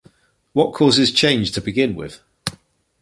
What causes change to begin with?